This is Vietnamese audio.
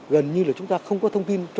gần như là chúng ta không có thông tin